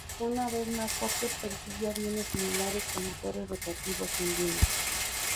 Una vez más, Fokker persiguió aviones similares con motores rotativos y en línea.